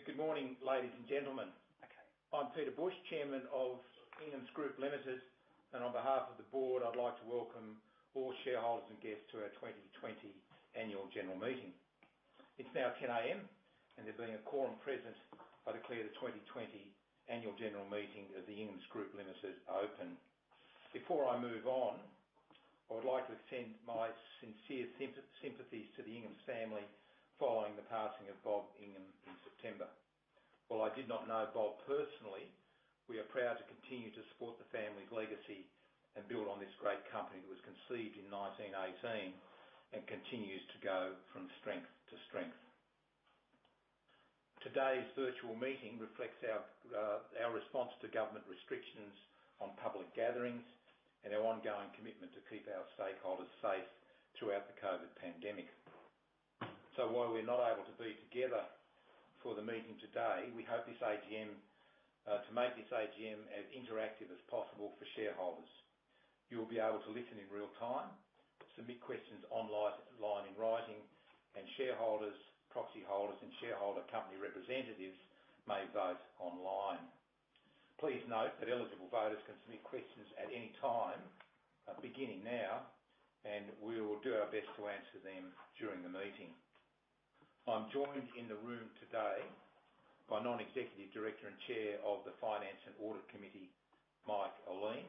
Thank you. Good morning, ladies and gentlemen. I'm Peter Bush, Chairman of Inghams Group Limited, and on behalf of the board, I'd like to welcome all shareholders and guests to our 2020 annual general meeting. It's now 10:00 A.M., and there being a quorum present, I declare the 2020 annual general meeting of the Inghams Group Limited open. Before I move on, I would like to extend my sincere sympathies to the Ingham family following the passing of Bob Ingham in September. While I did not know Bob personally, we are proud to continue to support the family's legacy and build on this great company that was conceived in 1918 and continues to go from strength to strength. Today's virtual meeting reflects our response to government restrictions on public gatherings and our ongoing commitment to keep our stakeholders safe throughout the COVID pandemic. While we're not able to be together for the meeting today, we hope to make this AGM as interactive as possible for shareholders. You'll be able to listen in real-time, submit questions online in writing, and shareholders, proxy holders, and shareholder company representatives may vote online. Please note that eligible voters can submit questions at any time, beginning now, and we will do our best to answer them during the meeting. I'm joined in the room today by Non-Executive Director and Chair of the Finance and Audit Committee, Mike Ihlein,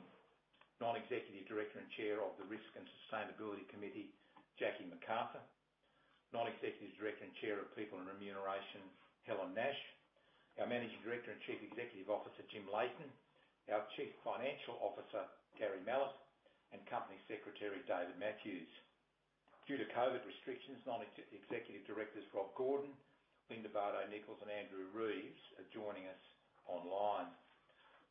Non-Executive Director and Chair of the Risk and Sustainability Committee, Jackie McArthur, Non-Executive Director and Chair of People and Remuneration, Helen Nash, our Managing Director and Chief Executive Officer, Jim Leighton, our Chief Financial Officer, Gary Mallett, and Company Secretary, David Matthews. Due to COVID restrictions, non-executive directors Rob Gordon, Linda Bardo Nicholls, and Andrew Reeves are joining us online.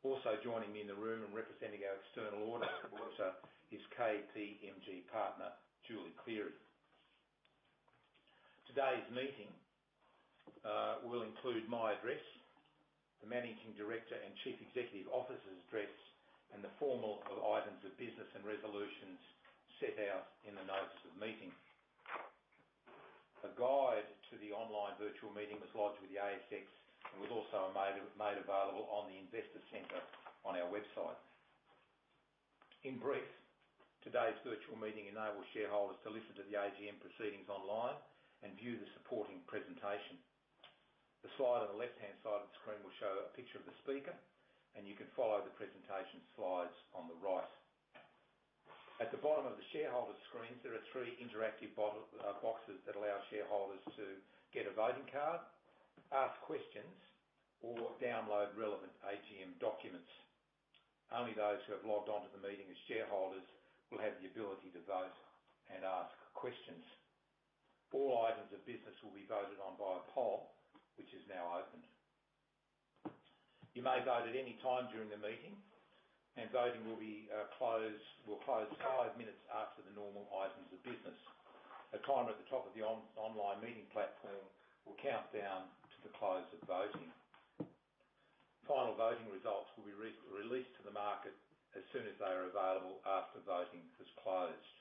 Also joining me in the room and representing our external audit officer is KPMG partner Julie Cleary. Today's meeting will include my address, the Managing Director and Chief Executive Officer's address, and the formal items of business and resolutions set out in the notice of meeting. A guide to the online virtual meeting was lodged with the ASX and was also made available on the Investor Center on our website. In brief, today's virtual meeting enables shareholders to listen to the AGM proceedings online and view the supporting presentation. The slide on the left-hand side of the screen will show a picture of the speaker, and you can follow the presentation slides on the right. At the bottom of the shareholder screens, there are three interactive boxes that allow shareholders to get a voting card, ask questions, or download relevant AGM documents. Only those who have logged on to the meeting as shareholders will have the ability to vote and ask questions. All items of business will be voted on by a poll, which is now open. You may vote at any time during the meeting, and voting will close five minutes after the normal items of business. A timer at the top of the online meeting platform will count down to the close of voting. Final voting results will be released to the market as soon as they are available after voting has closed.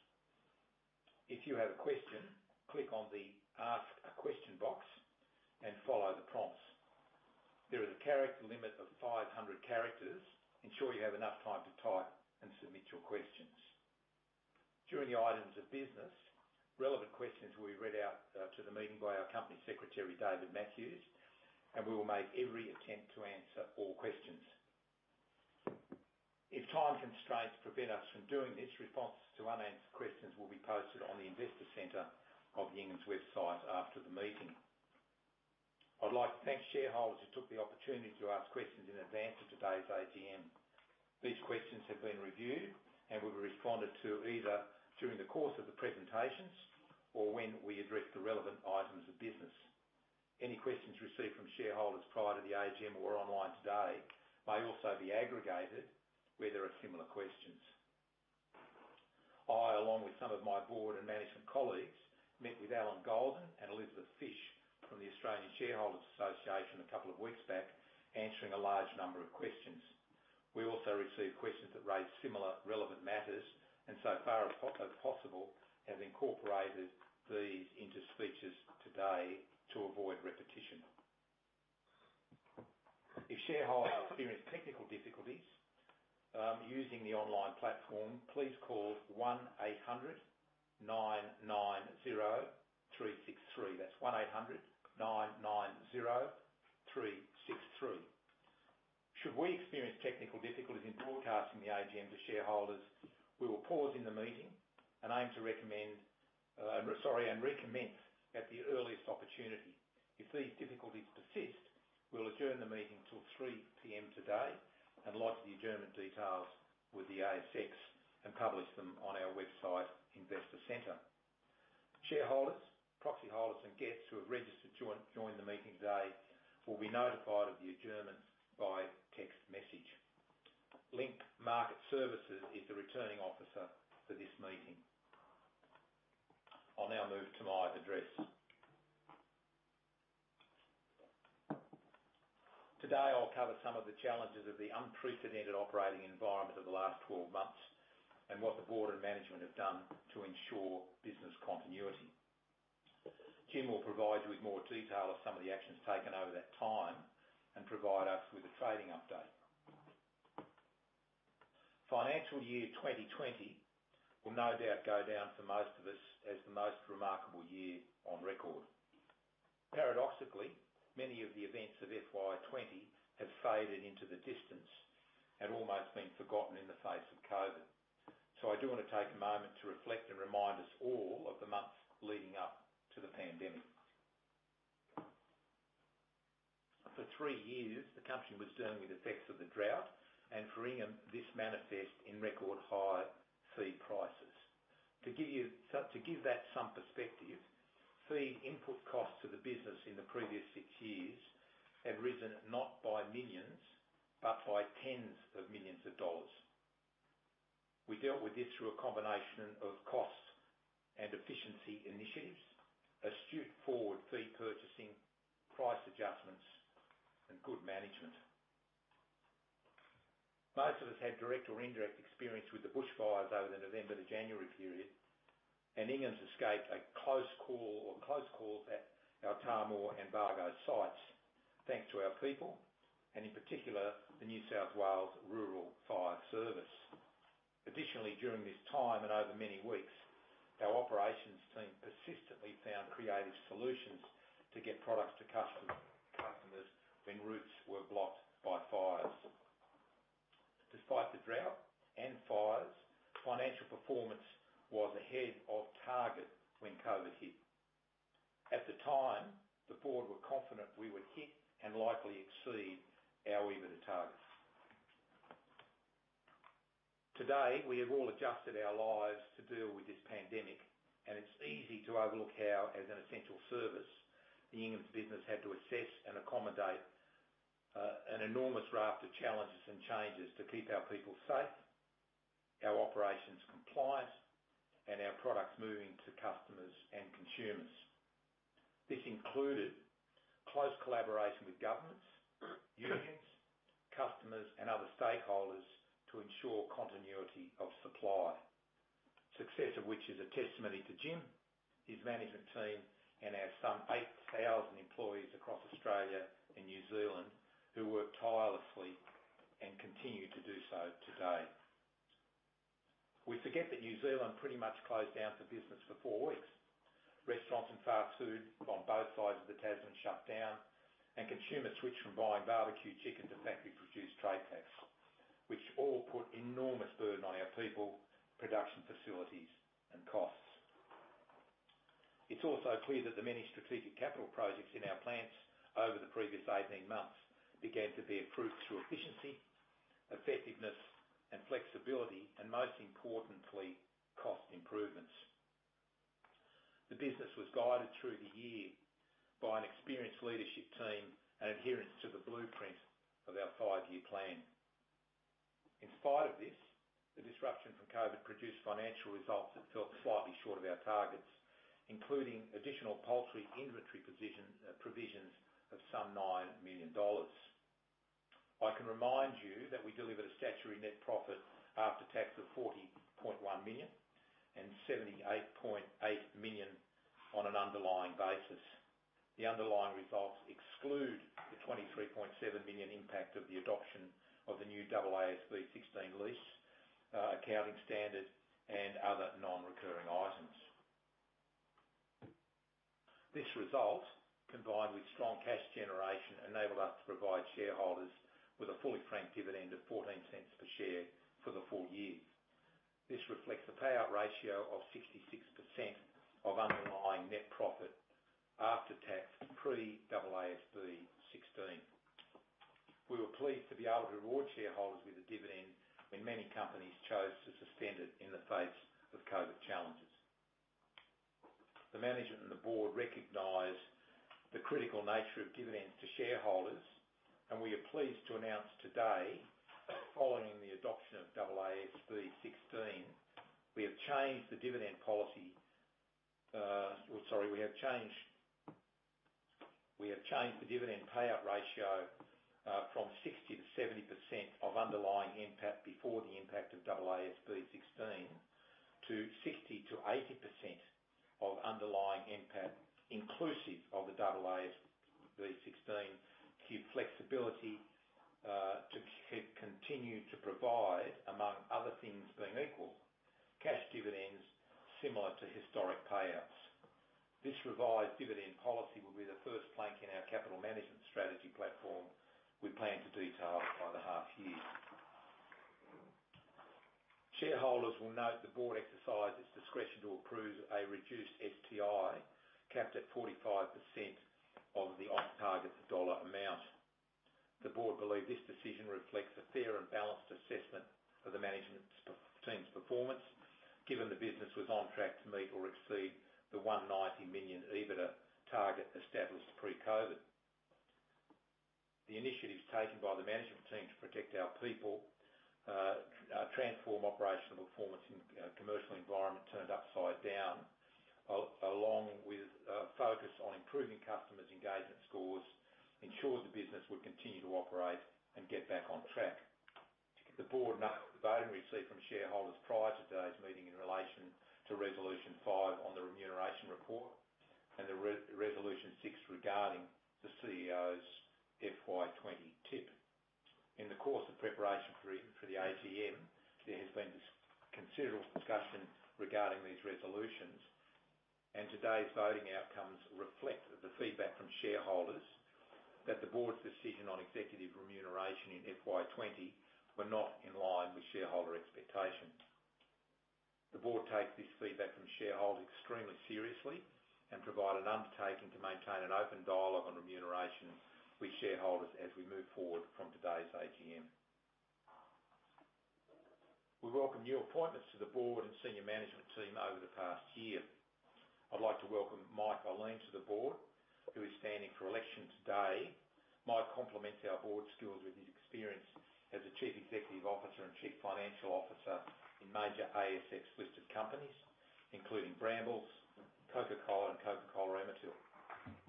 If you have a question, click on the Ask a Question box and follow the prompts. There is a character limit of 500 characters. Ensure you have enough time to type and submit your questions. During the items of business, relevant questions will be read out to the meeting by our company secretary, David Matthews, and we will make every attempt to answer all questions. If time constraints prevent us from doing this, responses to unanswered questions will be posted on the Investor Center of the Inghams website after the meeting. I'd like to thank shareholders who took the opportunity to ask questions in advance of today's AGM. These questions have been reviewed and will be responded to either during the course of the presentations or when we address the relevant items of business. Any questions received from shareholders prior to the AGM or online today may also be aggregated where there are similar questions. I, along with some of my board and management colleagues, met with Allan Goldin and Elizabeth Fish from the Australian Shareholders' Association a couple of weeks back, answering a large number of questions. We also received questions that raised similar relevant matters and so far as possible, have incorporated these into speeches today to avoid repetition. If shareholders experience technical difficulties using the online platform, please call 1800-990-363. That's 1800-990-363. Should we experience technical difficulties in broadcasting the AGM to shareholders, we will pause in the meeting and recommence at the earliest opportunity. If these difficulties persist, we'll adjourn the meeting till 3:00 P.M. today and lodge the adjournment details with the ASX and publish them on our website Investor Center. Shareholders, proxy holders, and guests who have registered to join the meeting today will be notified of the adjournment by text message. Link Market Services is the returning officer for this meeting. I'll now move to my address. Today, I'll cover some of the challenges of the unprecedented operating environment of the last 12 months and what the board and management have done to ensure business continuity. Jim will provide you with more detail of some of the actions taken over that time and provide us with a trading update. Financial year 2020 will no doubt go down for most of us as the most remarkable year on record. Paradoxically, many of the events of FY 2020 have faded into the distance and almost been forgotten in the face of COVID. I do want to take a moment to reflect and remind us all of the months leading up to the pandemic. For three years, the country was dealing with the effects of the drought, and for Inghams, this manifest in record high feed prices. To give that some perspective, feed input costs to the business in the previous six years have risen not by millions, but by tens of millions of dollars. We dealt with this through a combination of costs and efficiency initiatives, astute forward feed purchasing, price adjustments, and good management. Most of us had direct or indirect experience with the bushfires over the November to January period, and Inghams escaped a close call or close calls at our Tamworth and Bargo sites thanks to our people and in particular, the New South Wales Rural Fire Service. Additionally, during this time and over many weeks, our operations team persistently found creative solutions to get products to customers when routes were blocked by fires. Despite the drought and fires, financial performance was ahead of target when COVID hit. At the time, the board were confident we would hit and likely exceed our EBITDA targets. Today, we have all adjusted our lives to deal with this pandemic, and it's easy to overlook how, as an essential service, the Inghams business had to assess and accommodate an enormous raft of challenges and changes to keep our people safe, our operations compliant, and our products moving to customers and consumers. This included close collaboration with governments, unions, customers, and other stakeholders to ensure continuity of supply. Success of which is a testimony to Jim, his management team, and our some 8,000 employees across Australia and New Zealand who work tirelessly and continue to do so today. We forget that New Zealand pretty much closed down for business for four weeks. Restaurants and fast food on both sides of the Tasman shut down, and consumers switched from buying barbecue chicken to factory-produced trade packs, which all put enormous burden on our people, production facilities, and costs. It's also clear that the many strategic capital projects in our plants over the previous 18 months began to bear fruit through efficiency, effectiveness, and flexibility, and most importantly, cost improvements. The business was guided through the year by an experienced leadership team and adherence to the blueprint of our five-year plan. In spite of this, the disruption from COVID produced financial results that fell slightly short of our targets, including additional poultry inventory provisions of some 9 million dollars. I can remind you that we delivered a statutory net profit after tax of 40.1 million and 78.8 million on an underlying basis. The underlying results exclude the 23.7 million impact of the adoption of the new AASB 16 lease accounting standard and other non-recurring items. This result, combined with strong cash generation, enabled us to provide shareholders with a fully franked dividend of 0.14 per share for the full-year. This reflects a payout ratio of 66% of underlying net profit after tax pre-AASB 16. We were pleased to be able to reward shareholders with a dividend when many companies chose to suspend it in the face of COVID challenges. The management and the board recognize the critical nature of dividends to shareholders, and we are pleased to announce today, following the adoption of AASB 16, we have changed the dividend payout ratio from 60%-70% of underlying NPAT before the impact of AASB 16 to 60%-80% of underlying NPAT inclusive of the AASB 16 to keep flexibility to continue to provide, among other things being equal, cash dividends similar to historic payouts. This revised dividend policy will be the first plank in our capital management strategy platform we plan to detail by the half year. Shareholders will note the board exercised its discretion to approve a reduced STI capped at 45% of the off-target dollar amount. The board believe this decision reflects a fair and balanced assessment of the management team's performance, given the business was on track to meet or exceed the 190 million EBITDA target established pre-COVID. The initiatives taken by the management team to protect our people. Our transform operational performance in a commercial environment turned upside down, along with a focus on improving customers' engagement scores, ensured the business would continue to operate and get back on track. The board noted the voting received from shareholders prior to today's meeting in relation to Resolution 5 on the remuneration report, and Resolution 6 regarding the CEO's FY 2020 TIP. In the course of preparation for the AGM, there has been considerable discussion regarding these resolutions, and today's voting outcomes reflect the feedback from shareholders that the board's decision on executive remuneration in FY 2020 were not in line with shareholder expectations. The board takes this feedback from shareholders extremely seriously and provide an undertaking to maintain an open dialogue on remuneration with shareholders as we move forward from today's AGM. We welcome new appointments to the board and senior management team over the past year. I'd like to welcome Mike Ihlein to the board, who is standing for election today. Mike complements our board skills with his experience as a chief executive officer and chief financial officer in major ASX-listed companies, including Brambles, Coca-Cola, and Coca-Cola Amatil.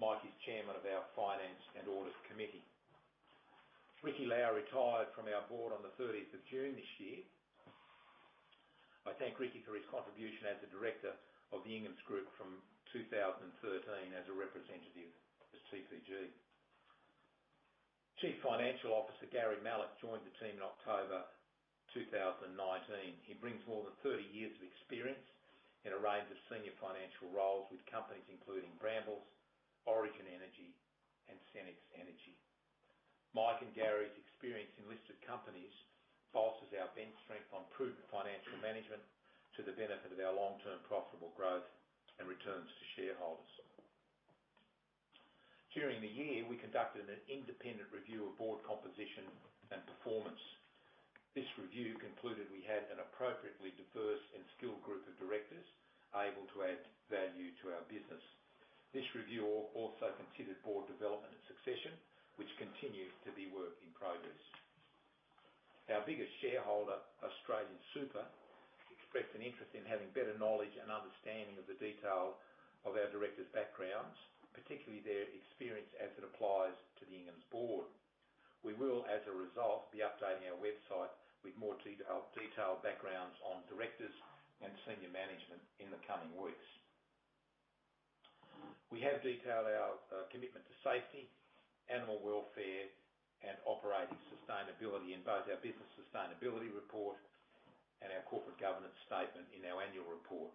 Mike is chairman of our Finance and Audit Committee. Ricky Lau retired from our board on the 30th of June this year. I thank Ricky for his contribution as a director of the Inghams Group from 2013 as a representative of TPG. Chief Financial Officer Gary Mallett joined the team in October 2019. He brings more than 30 years of experience in a range of senior financial roles with companies including Brambles, Origin Energy, and Senex Energy. Mike and Gary Mallett's experience in listed companies bolsters our bench strength on prudent financial management to the benefit of our long-term profitable growth and returns to shareholders. During the year, we conducted an independent review of board composition and performance. This review concluded we had an appropriately diverse and skilled group of directors able to add value to our business. This review also considered board development and succession, which continues to be work in progress. Our biggest shareholder, AustralianSuper, expressed an interest in having better knowledge and understanding of the detail of our directors' backgrounds, particularly their experience as it applies to the Inghams board. We will, as a result, be updating our website with more detailed backgrounds on directors and senior management in the coming weeks. We have detailed our commitment to safety, animal welfare, and operating sustainability in both our business sustainability report and our corporate governance statement in our annual report.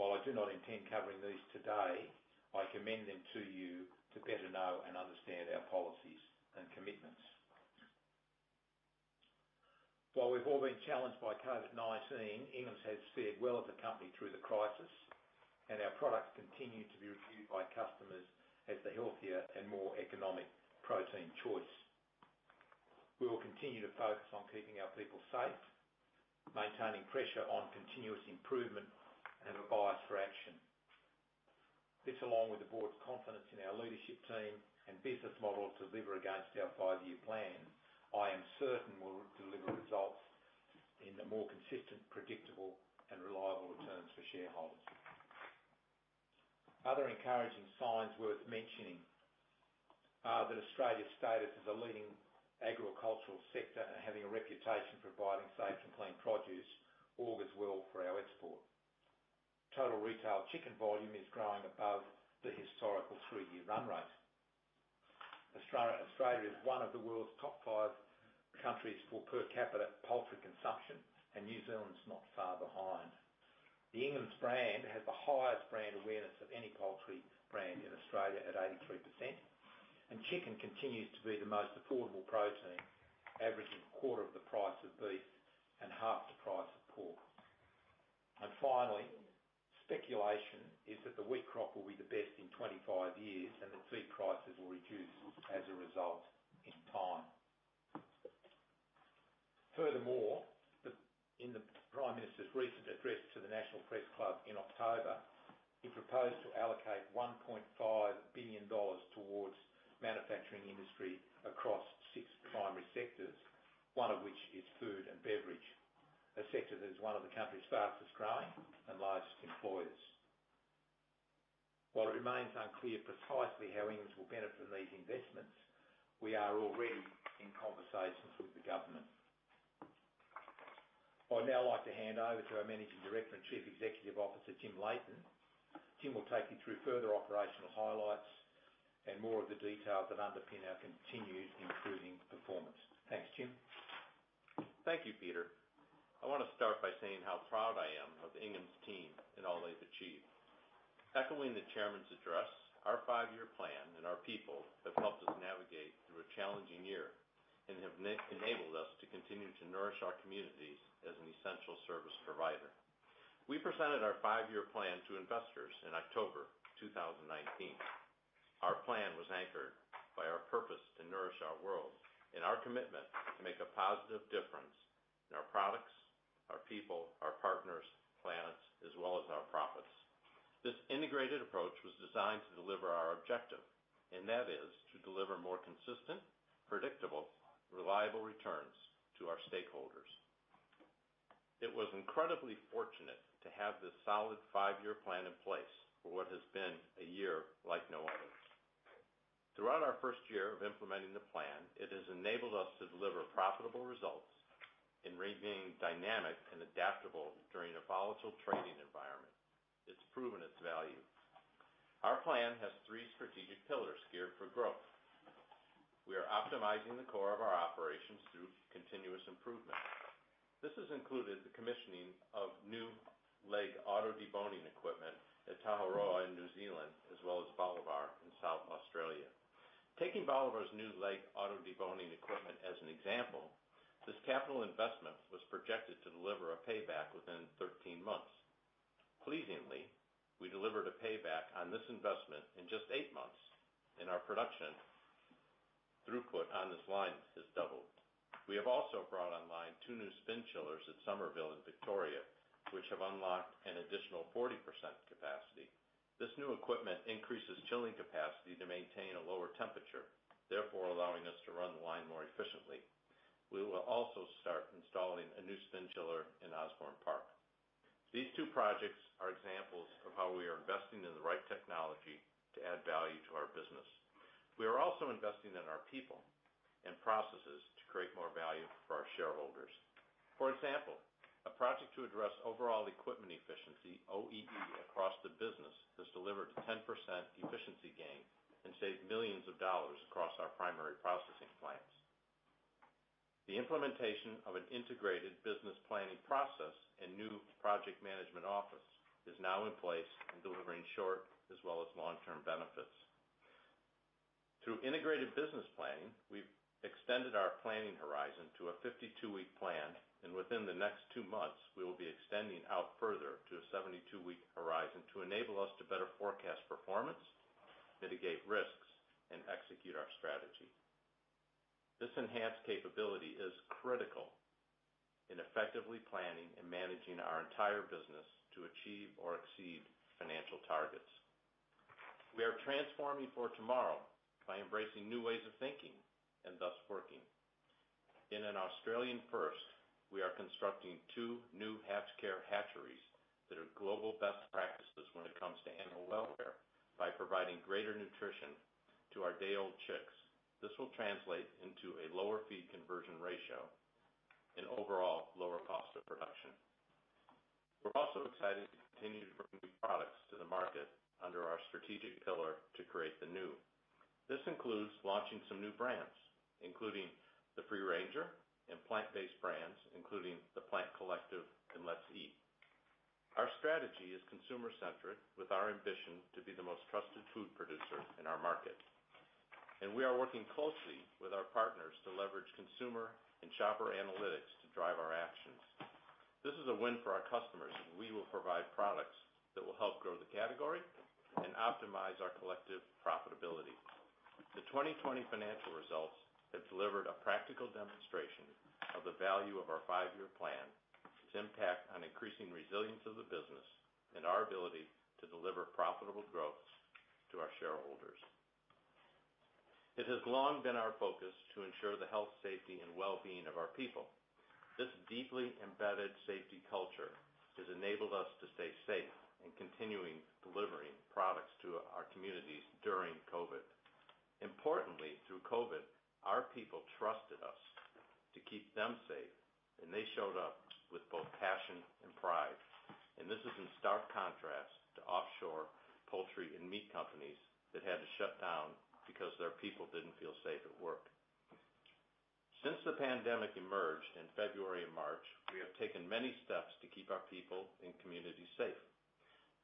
While I do not intend covering these today, I commend them to you to better know and understand our policies and commitments. While we've all been challenged by COVID-19, Inghams has steered well as a company through the crisis, and our products continue to be reviewed by customers as the healthier and more economic protein choice. We will continue to focus on keeping our people safe, maintaining pressure on continuous improvement, and a bias for action. This, along with the board's confidence in our leadership team and business model to deliver against our five-year plan, I am certain will deliver results in the more consistent, predictable, and reliable returns for shareholders. Other encouraging signs worth mentioning are that Australia's status as a leading agricultural sector and having a reputation for providing safe and clean produce augurs well for our export. Total retail chicken volume is growing above the historical three-year run rate. Australia is one of the world's top five countries for per capita poultry consumption, and New Zealand is not far behind. The Inghams brand has the highest brand awareness of any poultry brand in Australia at 83%, and chicken continues to be the most affordable protein, averaging a quarter of the price of beef and half the price of pork. Finally, speculation is that the wheat crop will be the best in 25 years and that feed prices will reduce as a result in time. Furthermore, in the Prime Minister's recent address to the National Press Club in October, he proposed to allocate 1.5 billion dollars towards manufacturing industry across six primary sectors, one of which is food and beverage, a sector that is one of the country's fastest-growing and largest employers. While it remains unclear precisely how Inghams will benefit from these investments, we are already in conversations with the government. I'd now like to hand over to our Managing Director and Chief Executive Officer, Jim Leighton. Jim will take you through further operational highlights and more of the detail that underpin our continued improving performance. Thanks, Jim. Thank you, Peter. I want to start by saying how proud I am of the Inghams team and all they've achieved. Echoing the chairman's address, our five-year plan and our people have helped us navigate through a challenging year and have enabled us to continue to nourish our communities as an essential service provider. We presented our five-year plan to investors in October 2019. Our plan was anchored by our purpose to nourish our world and our commitment to make a positive difference in our products, our people, our partners, planets, as well as our profits. This integrated approach was designed to deliver our objective, and that is to deliver more consistent, predictable, reliable returns to our stakeholders. It was incredibly fortunate to have this solid five-year plan in place for what has been a year like no other. Throughout our first year of implementing the plan, it has enabled us to deliver profitable results in remaining dynamic and adaptable during a volatile trading environment. It's proven its value. Our plan has three strategic pillars geared for growth. We are optimizing the core of our operations through continuous improvement. This has included the commissioning of new leg auto-deboning equipment at Te Aroha in New Zealand, as well as Bolivar in South Australia. Taking Bolivar's new leg auto-deboning equipment as an example, this capital investment was projected to deliver a payback within 13 months. Pleasingly, we delivered a payback on this investment in just eight months, and our production throughput on this line has doubled. We have also brought online two new spin chillers at Somerville in Victoria, which have unlocked an additional 40% capacity. This new equipment increases chilling capacity to maintain a lower temperature, therefore allowing us to run the line more efficiently. We will also start installing a new spin chiller in Osborne Park. These two projects are examples of how we are investing in the right technology to add value to our business. We are also investing in our people and processes to create more value for our shareholders. For example, a project to address overall equipment efficiency, OEE, across the business has delivered a 10% efficiency gain and saved millions dollars across our primary processing plants. The implementation of an integrated business planning process and new project management office is now in place and delivering short as well as long-term benefits. Through integrated business planning, we've extended our planning horizon to a 52-week plan, and within the next two months, we will be extending out further to a 72-week horizon to enable us to better forecast performance, mitigate risks, and execute our strategy. This enhanced capability is critical in effectively planning and managing our entire business to achieve or exceed financial targets. We are transforming for tomorrow by embracing new ways of thinking and thus working. In an Australian first, we are constructing two new HatchCare hatcheries that are global best practices when it comes to animal welfare by providing greater nutrition to our day-old chicks. This will translate into a lower feed conversion ratio and overall lower cost of production. We're also excited to continue to bring new products to the market under our strategic pillar to create the new. This includes launching some new brands, including The Free Ranger, and plant-based brands, including The Plant Collective and Let's Eat. Our strategy is consumer-centric, with our ambition to be the most trusted food producer in our market. We are working closely with our partners to leverage consumer and shopper analytics to drive our actions. This is a win for our customers, and we will provide products that will help grow the category and optimize our collective profitability. The 2020 financial results have delivered a practical demonstration of the value of our five-year plan, its impact on increasing resilience of the business, and our ability to deliver profitable growth to our shareholders. It has long been our focus to ensure the health, safety, and well-being of our people. This deeply embedded safety culture has enabled us to stay safe and continuing delivering products to our communities during COVID. Importantly, through COVID, our people trusted us to keep them safe, and they showed up with both passion and pride. This is in stark contrast to offshore poultry and meat companies that had to shut down because their people didn't feel safe at work. Since the pandemic emerged in February and March, we have taken many steps to keep our people and communities safe.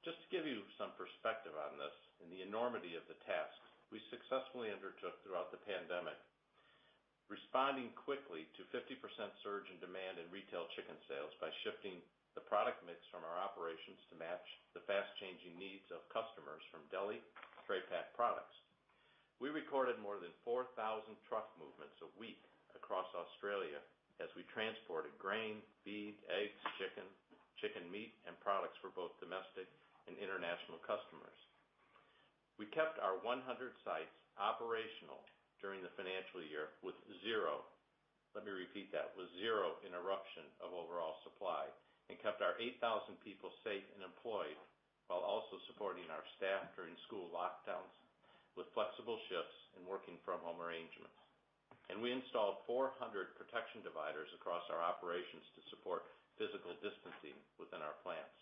Just to give you some perspective on this and the enormity of the tasks we successfully undertook throughout the pandemic, responding quickly to 50% surge in demand in retail chicken sales by shifting the product mix from our operations to match the fast-changing needs of customers from deli tray pack products. We recorded more than 4,000 truck movements a week across Australia as we transported grain, feed, eggs, chicken meat and products for both domestic and international customers. We kept our 100 sites operational during the financial year with zero, let me repeat that, with zero interruption of overall supply and kept our 8,000 people safe and employed while also supporting our staff during school lockdowns with flexible shifts and working from home arrangements. We installed 400 protection dividers across our operations to support physical distancing within our plants.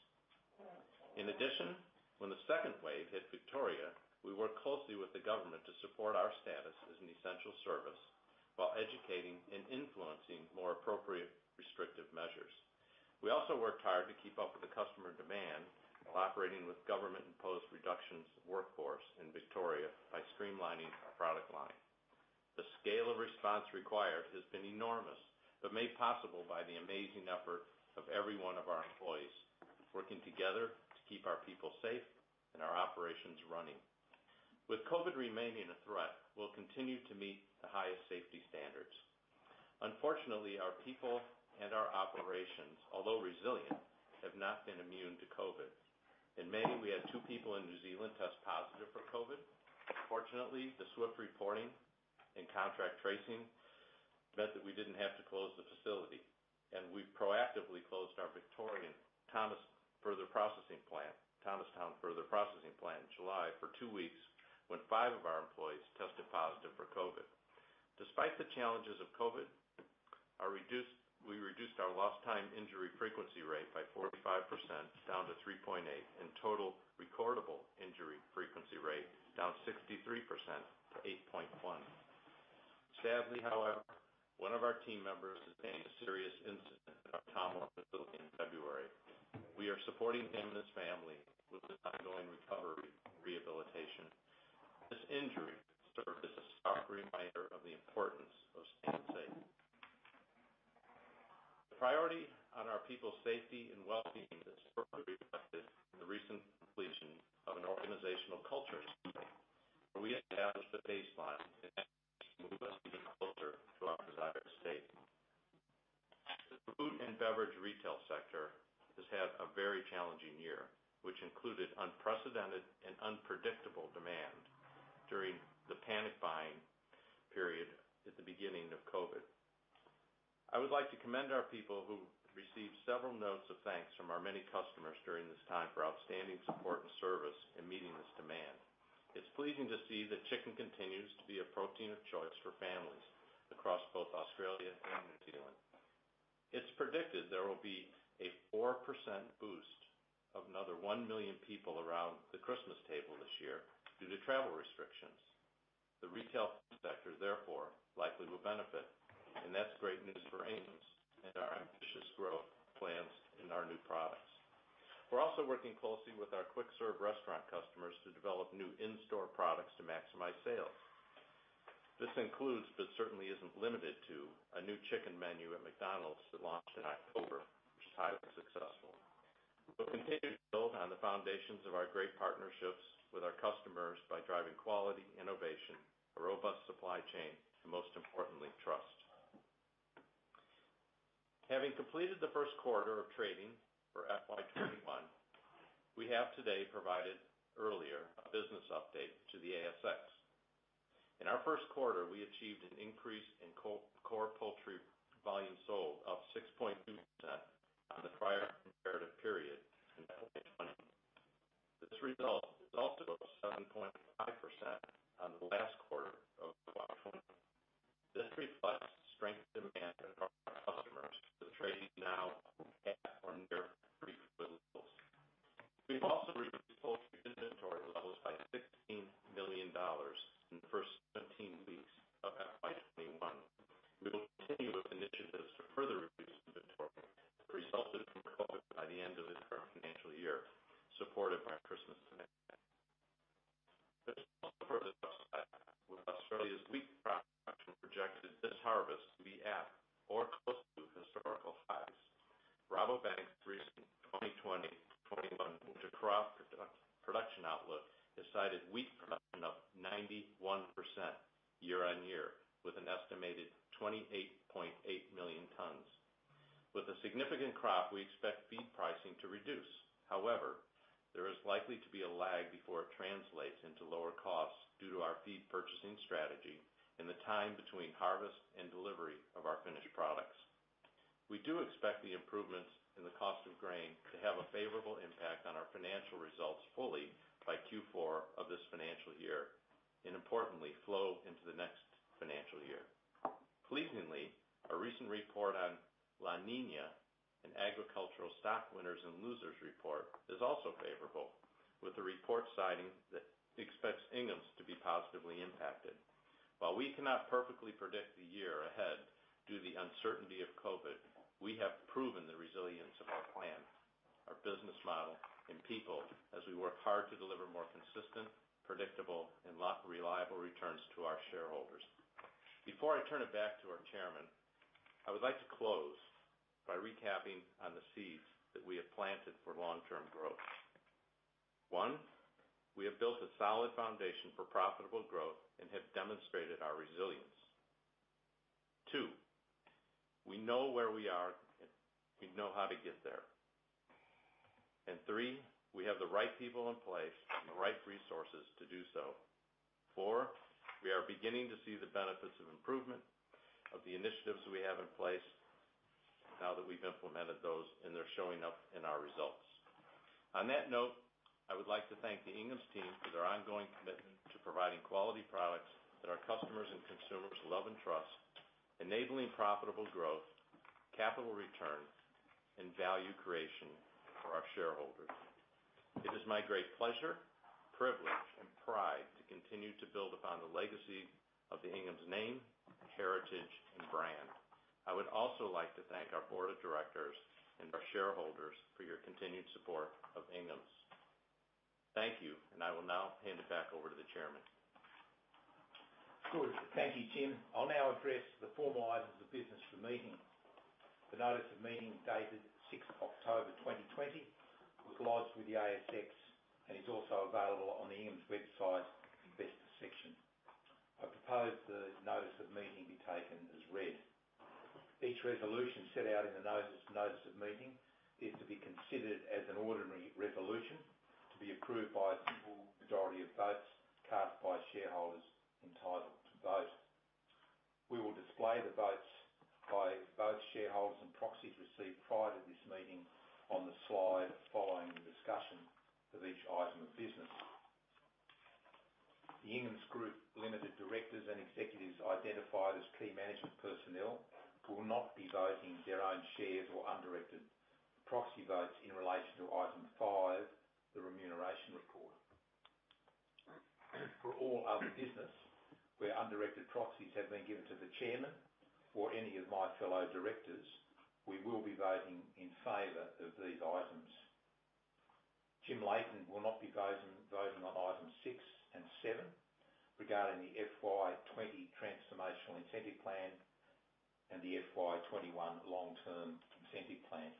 In addition, when the second wave hit Victoria, we worked closely with the government to support our status as an essential service while educating and influencing more appropriate restrictive measures. We also worked hard to keep up with the customer demand while operating with government-imposed reductions workforce in Victoria by streamlining our product line. The scale of response required has been enormous, but made possible by the amazing effort of every one of our employees working together to keep our people safe and our operations running. With COVID remaining a threat, we'll continue to meet the highest safety standards. Unfortunately, our people and our operations, although resilient, have not been immune to COVID. In May, we had two people in New Zealand test positive for COVID. Fortunately, the swift reporting and contact tracing meant that we didn't have to close the facility, and we proactively closed our Thomastown further processing plant in July for two weeks when five of our employees tested positive for COVID. Despite the challenges of COVID, we reduced our lost time injury frequency rate by 45%, down to 3.8, and total recordable injury frequency rate down 63% to 8.1. Sadly, however, one of our team members sustained a serious incident at our Tamworth facility in February. We are supporting him and his family with his ongoing recovery and rehabilitation. This injury served as a stark reminder of the importance of staying safe. The priority on our people's safety and wellbeing is firmly reflected in the recent completion of an organizational culture survey, where we established a baseline and action to move us even closer to our desired state. The food and beverage retail sector has had a very challenging year, which included unprecedented and unpredictable demand during the panic buying period at the beginning of COVID. I would like to commend our people who received several notes of thanks from our many customers during this time for outstanding support and service in meeting this demand. It's pleasing to see that chicken continues to be a protein of choice for families across both Australia and New Zealand. It's predicted there will be a 4% boost of another 1 million people around the Christmas table this year due to travel restrictions. The retail sector therefore likely will benefit, and that's great news for Inghams and our ambitious growth plans in our new products. We're also working closely with our quick-serve restaurant customers to develop new in-store products to maximize sales. This includes, but certainly isn't limited to, a new chicken menu at McDonald's that launched in October, which was highly successful. We'll continue to build on the foundations of our great partnerships with our customers by driving quality, innovation, a robust supply chain, and most importantly, trust. Having completed the first quarter of trading for FY 2021, we have today provided earlier a business update to the ASX. In our first quarter, we achieved an increase in core poultry volume sold of 6.2% on the prior comparative period in FY 2020. This result is also up 7.5% on the last quarter of FY 2020. This reflects strength in demand from our customers, with trading now at or near pre-COVID levels. We've also reduced poultry inventory levels by 16 million dollars in the first 17 weeks of FY 2021. We will continue with initiatives to further reduce inventory that resulted from COVID by the end of this current financial year, supported by Christmas demand. This is also further upside with Australia's wheat crop production projected this harvest to be at or close to historical highs. Rabobank's recent 2020/2021 winter crop production outlook has cited wheat production up 91% year-on-year with an estimated 28.8 million tons. With a significant crop, we expect feed pricing to reduce. However, there is likely to be a lag before it translates into lower costs due to our feed purchasing strategy and the time between harvest and delivery of our finished products. We do expect the improvements in the cost of grain to have a favorable impact on our financial results fully by Q4 of this financial year, and importantly, flow into the next financial year. Pleasingly, a recent report on La Niña, an agricultural stock winners and losers report, is also favorable, with the report citing that it expects Inghams to be positively impacted. While we cannot perfectly predict the year ahead due to the uncertainty of COVID, we have proven the resilience of our plan, our business model, and people as we work hard to deliver more consistent, predictable, and reliable returns to our shareholders. Before I turn it back to our chairman, I would like to close by recapping on the seeds that we have planted for long-term growth. One, we have built a solid foundation for profitable growth and have demonstrated our resilience. Two, we know where we are and we know how to get there. Three, we have the right people in place and the right resources to do so. Four, we are beginning to see the benefits of improvement of the initiatives we have in place now that we've implemented those, and they're showing up in our results. On that note, I would like to thank the Inghams team for their ongoing commitment to providing quality products that our customers and consumers love and trust, enabling profitable growth, capital returns, and value creation for our shareholders. It is my great pleasure, privilege, and pride to continue to build upon the legacy of the Inghams name, heritage, and brand. I would also like to thank our board of directors and our shareholders for your continued support of Inghams. Thank you. I will now hand it back over to the chairman. Good. Thank you, Jim. I'll now address the formal items of business for meeting. The notice of meeting, dated 6th October 2020, was lodged with the ASX and is also available on the Inghams website, Investors section. I propose the notice of meeting be taken as read. Each resolution set out in the notice of meeting is to be considered as an ordinary resolution, to be approved by a simple majority of votes cast by shareholders entitled to vote. We will display the votes by both shareholders and proxies received prior to this meeting on the slide following the discussion of each item of business. The Inghams Group Limited directors and executives identified as key management personnel will not be voting their own shares or undirected proxy votes in relation to Item 5, the Remuneration Report. For all other business where undirected proxies have been given to the Chairman or any of my fellow directors, we will be voting in favor of these items. Jim Leighton will not be voting on Items six and seven regarding the FY 2020 Transformational Incentive Plan and the FY 2021 Long Term Incentive Plan.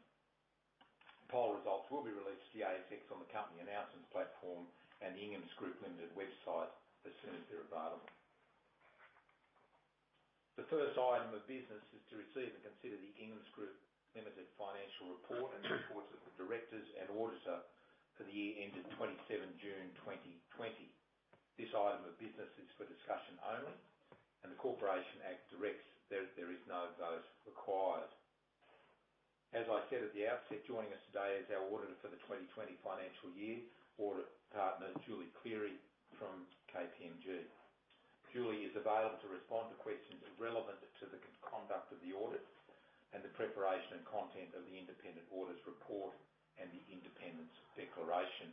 Poll results will be released to the ASX on the Company Announcements platform and the Inghams Group Limited website as soon as they're available. The first item of business is to receive and consider the Inghams Group Limited Financial Report and reports of the directors and auditor for the year ending 27 June 2020. This item of business is for discussion only, and the Corporations Act directs there is no vote required. As I said at the outset, joining us today is our auditor for the 2020 financial year, Audit Partner Julie Cleary from KPMG. Julie is available to respond to questions relevant to the conduct of the audit and the preparation and content of the independent audit's report and the independence declaration.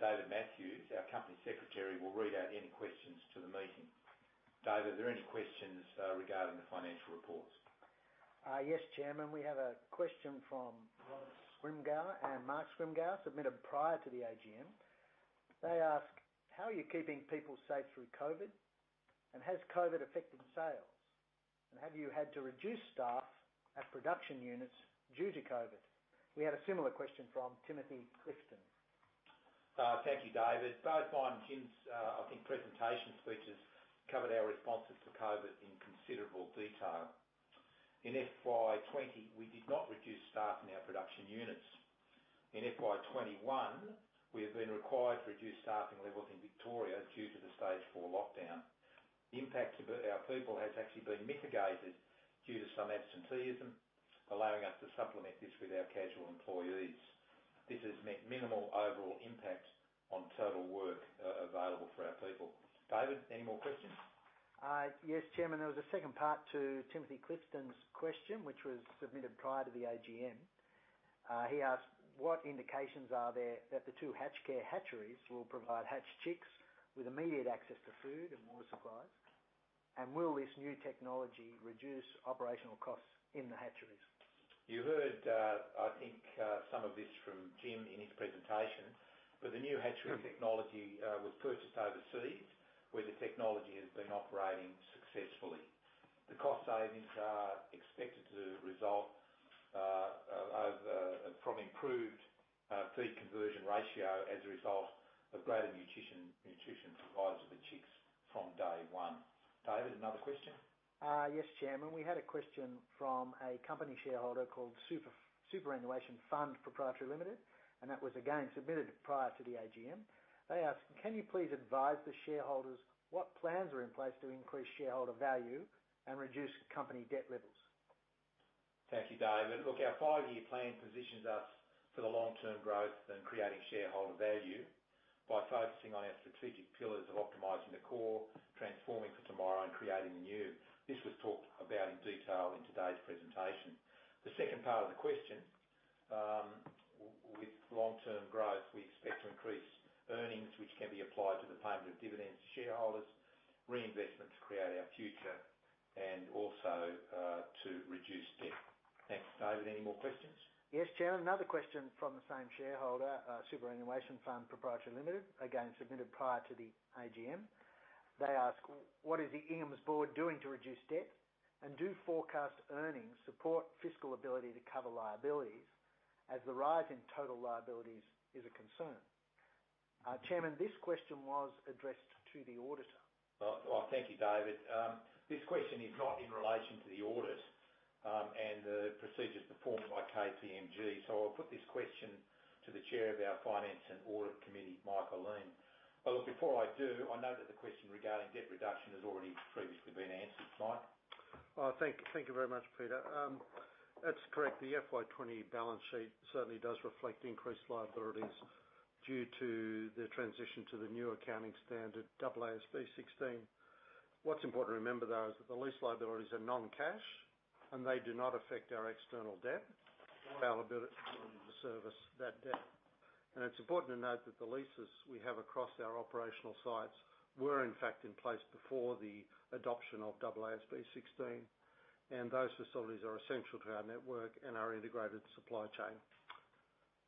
David Matthews, our company secretary, will read out any questions to the meeting. David, are there any questions regarding the financial reports? Yes, Chairman. We have a question from Ronald Scrimgeour and Mark Scrimgeour submitted prior to the AGM. They ask, "How are you keeping people safe through COVID? And has COVID affected sales? And have you had to reduce staff at production units due to COVID?" We had a similar question from Timothy Clifton. Thank you, David. Both mine and Jim's presentation speeches covered our responses to COVID in considerable detail. In FY 2020, we did not reduce staff in our production units. In FY 2021, we have been required to reduce staffing levels in Victoria due to the Stage 4 lockdown. The impact to our people has actually been mitigated due to some absenteeism, allowing us to supplement this with our casual employees. This has meant minimal overall impact on total work available for our people. David, any more questions? Yes, Chairman. There was a second part to Timothy Clifton's question, which was submitted prior to the AGM. He asked, "What indications are there that the two HatchCare hatcheries will provide hatched chicks with immediate access to food and water supplies? Will this new technology reduce operational costs in the hatcheries?" You heard, I think, some of this from Jim in his presentation. The new hatchery technology was purchased overseas, where the technology has been operating successfully. The cost savings are expected to result from improved feed conversion ratio as a result of greater nutrition provided to the chicks from day one. David, another question? Yes, Chairman. We had a question from a company shareholder called Superannuation Fund Proprietary Limited, and that was again submitted prior to the AGM. They ask, "Can you please advise the shareholders what plans are in place to increase shareholder value and reduce company debt levels?" Thank you, David. Our five-year plan positions us for the long-term growth and creating shareholder value by focusing on our strategic pillars of optimizing the core, transforming for tomorrow, and creating the new. This was talked about in detail in today's presentation. The second part of the question, with long-term growth, we expect to increase earnings, which can be applied to the payment of dividends to shareholders, reinvestment to create our future, and also to reduce debt. Thanks. David, any more questions? Yes, Chairman, another question from the same shareholder, Superannuation Fund Proprietary Limited, again submitted prior to the AGM. They ask, "What is the Inghams board doing to reduce debt? Do forecast earnings support fiscal ability to cover liabilities, as the rise in total liabilities is a concern?" Chairman, this question was addressed to the auditor. Thank you, David. This question is not in relation to the audit and the procedures performed by KPMG, I'll put this question to the Chair of our Finance and Audit Committee, Michael Ihlein. Look, before I do, I know that the question regarding debt reduction has already previously been answered. Mike? Thank you very much, Peter. That's correct. The FY 2020 balance sheet certainly does reflect increased liabilities due to the transition to the new accounting standard, AASB 16. What's important to remember, though, is that the lease liabilities are non-cash, and they do not affect our external debt or our ability to service that debt. It's important to note that the leases we have across our operational sites were in fact in place before the adoption of AASB 16, and those facilities are essential to our network and our integrated supply chain.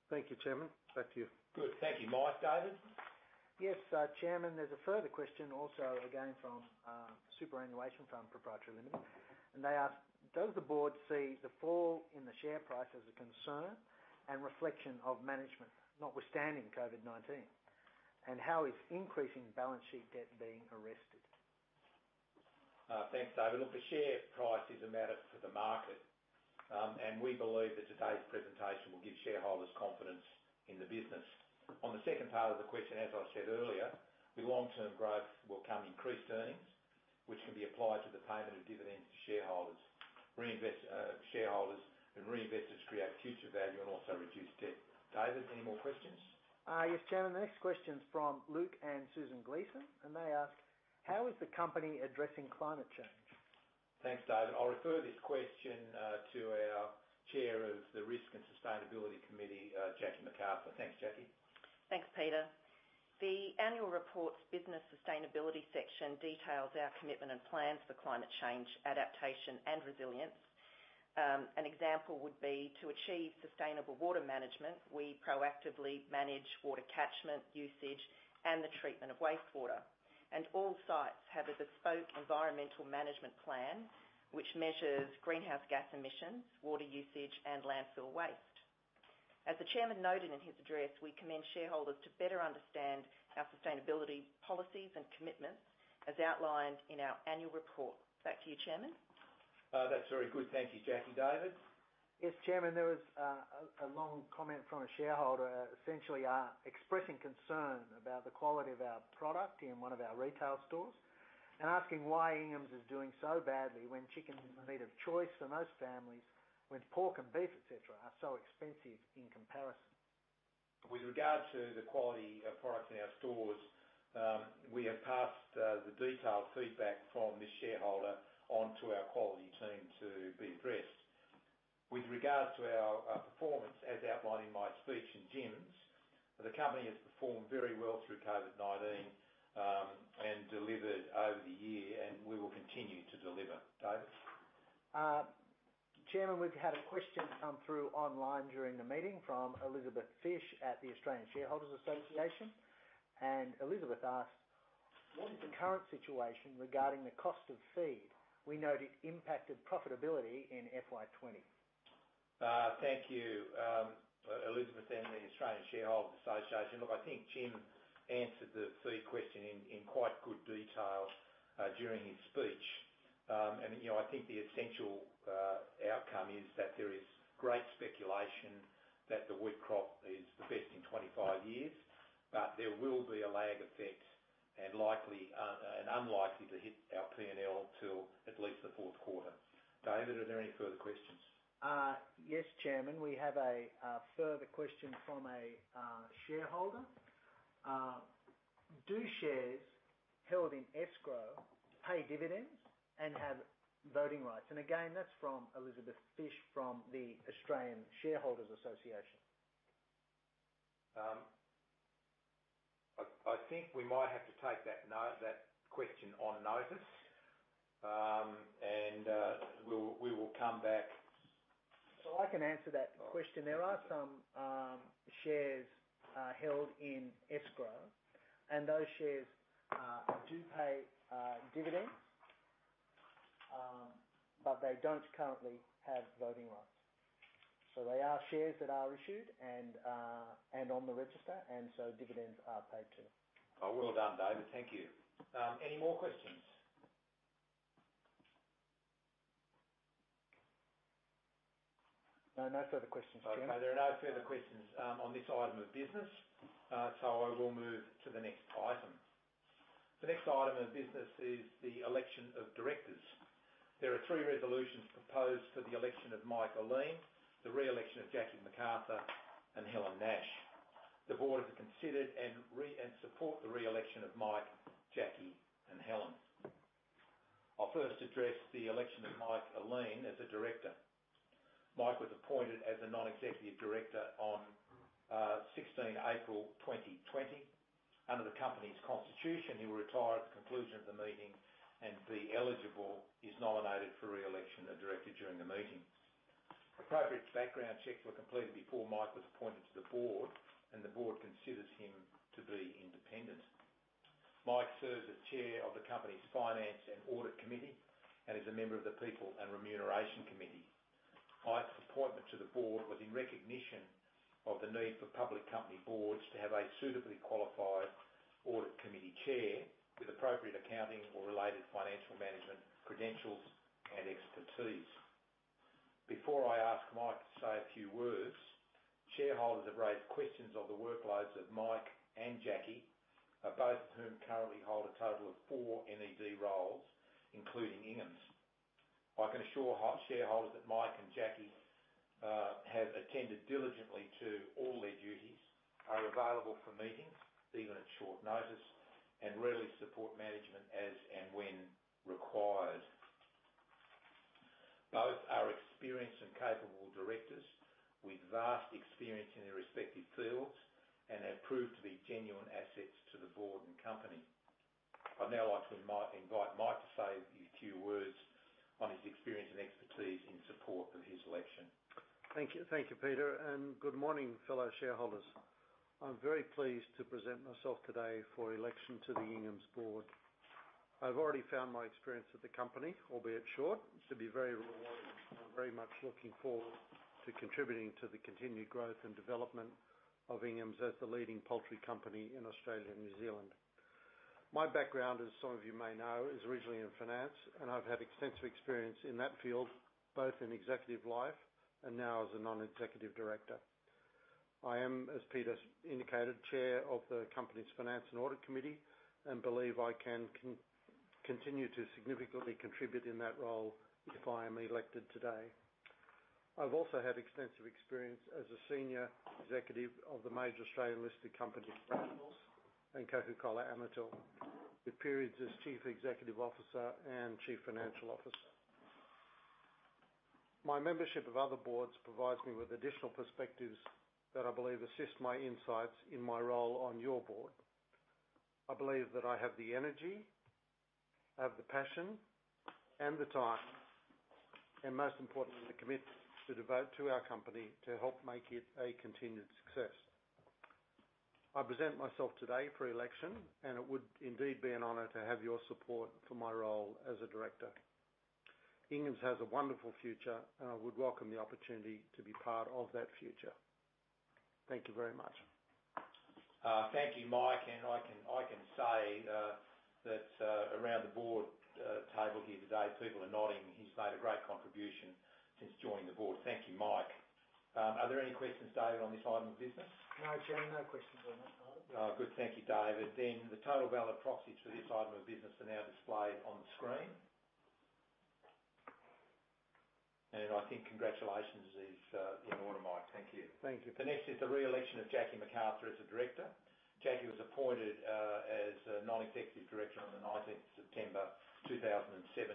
Thank you, Chairman. Back to you. Good. Thank you, Mike. David? Yes, Chairman. There's a further question also again from Superannuation Fund Proprietary Limited. They ask, "Does the board see the fall in the share price as a concern and reflection of management notwithstanding COVID-19? How is increasing balance sheet debt being arrested?" Thanks, David. Look, the share price is a matter for the market, and we believe that today's presentation will give shareholders confidence in the business. On the second part of the question, as I said earlier, with long-term growth will come increased earnings, which can be applied to the payment of dividends to shareholders and reinvested to create future value and also reduce debt. David, any more questions? Yes, Chairman. The next question is from Luke and Susan Gleeson, and they ask, "How is the company addressing climate change?" Thanks, David. I'll refer this question to our Chair of the Risk and Sustainability Committee, Jackie McArthur. Thanks, Jackie. Thanks, Peter. The annual report's business sustainability section details our commitment and plans for climate change adaptation and resilience. An example would be to achieve sustainable water management, we proactively manage water catchment usage and the treatment of wastewater. All sites have a bespoke environmental management plan which measures greenhouse gas emissions, water usage, and landfill waste. As the Chairman noted in his address, we commend shareholders to better understand our sustainability policies and commitments as outlined in our annual report. Back to you, Chairman. That's very good. Thank you, Jackie. David? Yes, Chairman. There was a long comment from a shareholder essentially expressing concern about the quality of our product in one of our retail stores and asking why Inghams is doing so badly when chicken is the meat of choice for most families, when pork and beef, et cetera, are so expensive in comparison. With regard to the quality of products in our stores, we have passed the detailed feedback from this shareholder on to our quality team to be addressed. With regards to our performance, as outlined in Mike's speech and Jim's, the company has performed very well through COVID-19 and delivered over the year, and we will continue to deliver. David? Chairman, we've had a question come through online during the meeting from Elizabeth Fish at the Australian Shareholders' Association. Elizabeth asks, "What is the current situation regarding the cost of feed? We note it impacted profitability in FY 2020." Thank you, Elizabeth and the Australian Shareholders' Association. Look, I think Jim answered the feed question in quite good detail during his speech. I think the essential outcome is that there is great speculation that the wheat crop is the best in 25 years, but there will be a lag effect and unlikely to hit our P&L till at least the fourth quarter. David, are there any further questions? Yes, Chairman. We have a further question from a shareholder. "Do shares held in escrow pay dividends and have voting rights?" Again, that's from Elizabeth Fish from the Australian Shareholders' Association. I think we might have to take that question on notice, and we will come back. I can answer that question. There are some shares held in escrow, and those shares do pay dividends, but they don't currently have voting rights. They are shares that are issued and on the register, and so dividends are paid to them. Well done, David. Thank you. Any more questions? No. No further questions, Chairman. There are no further questions on this item of business, so I will move to the next item. The next item of business is the election of directors. There are three resolutions proposed for the election of Michael Ihlein, the re-election of Jackie McArthur, and Helen Nash. The board have considered and support the re-election of Mike, Jackie, and Helen. I'll first address the election of Michael Ihlein as a director. Mike was appointed as a Non-Executive Director on 16 April 2020. Under the company's constitution, he will retire at the conclusion of the meeting and be eligible, is nominated for re-election a director during the meeting. Appropriate background checks were completed before Mike was appointed to the board, and the board considers him to be independent. Mike serves as Chair of the company's Finance and Audit Committee and is a member of the People and Remuneration Committee. Mike's appointment to the board was in recognition of the need for public company boards to have a suitably qualified audit committee chair with appropriate accounting or related financial management credentials and expertise. Before I ask Mike to say a few words, shareholders have raised questions of the workloads of Mike and Jackie, both of whom currently hold a total of four NED roles, including Inghams. I can assure shareholders that Mike and Jackie have attended diligently to all their duties, are available for meetings, even at short notice, and readily support management as and when required. Both are experienced and capable directors with vast experience in their respective fields and have proved to be genuine assets to the board and company. I'd now like to invite Mike to say a few words on his experience and expertise in support of his election. Thank you, Peter, and good morning, fellow shareholders. I'm very pleased to present myself today for election to the Inghams board. I've already found my experience with the company, albeit short, to be very rewarding, and I'm very much looking forward to contributing to the continued growth and development of Inghams as the leading poultry company in Australia and New Zealand. My background, as some of you may know, is originally in finance, and I've had extensive experience in that field, both in executive life and now as a non-executive director. I am, as Peter's indicated, Chair of the company's Finance and Audit Committee and believe I can continue to significantly contribute in that role if I am elected today. I've also had extensive experience as a senior executive of the major Australian listed companies, Coca-Cola Amatil, with periods as Chief Executive Officer and Chief Financial Officer. My membership of other boards provides me with additional perspectives that I believe assist my insights in my role on your board. I believe that I have the energy, I have the passion and the time, and most importantly, the commitment to devote to our company to help make it a continued success. I present myself today for election, and it would indeed be an honor to have your support for my role as a director. Inghams has a wonderful future, and I would welcome the opportunity to be part of that future. Thank you very much. Thank you, Mike. I can say that around the board table here today, people are nodding. He's made a great contribution since joining the board. Thank you, Mike. Are there any questions, David, on this item of business? No, Chairman. No questions on that item. Good. Thank you, David. The total valid proxies for this item of business are now displayed on the screen. I think congratulations is in order, Mike. Thank you. Thank you. The next is the re-election of Jackie McArthur as a director. Jackie was appointed as a Non-Executive Director on the 19th September 2017